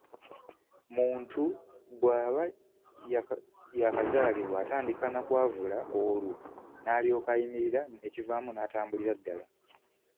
Muntu bw’aba yaakazaalibwa atandika na kwavula olwo n'alyoka ayimirira ekivaamu n'atambulira ddala.